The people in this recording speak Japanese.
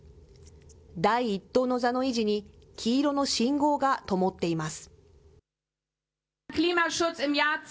第１党の座の維持に、黄色の信号がともっています。